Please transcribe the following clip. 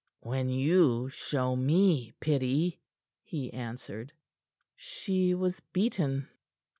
"When you show me pity," he answered. She was beaten.